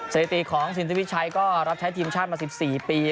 สถิติของสินทวิชัยก็รับใช้ทีมชาติมา๑๔ปี